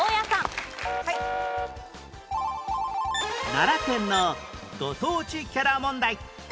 奈良県のご当地キャラ問題